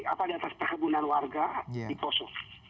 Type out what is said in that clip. apa di atas perkebunan warga di poso